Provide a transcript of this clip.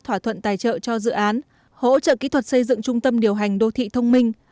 thỏa thuận tài trợ cho dự án hỗ trợ kỹ thuật xây dựng trung tâm điều hành đô thị thông minh